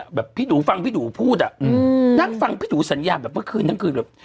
มากเลยอ่ะแบบพี่ดูฟังพี่ดูพูดอ่ะอืมนั่งฟังพี่ดูสัญญาแบบเมื่อคืนทั้งคืนแบบ